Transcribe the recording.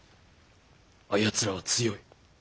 あやつらは強い。